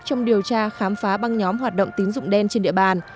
trong điều tra khám phá băng nhóm hoạt động tín dụng đen trên địa bàn